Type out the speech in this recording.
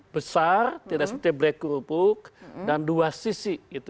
besar tidak seperti black group book dan dua sisi